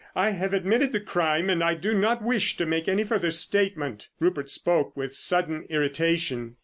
I have admitted the crime, and I do not wish to make any further statement." Rupert spoke with sudden irritation.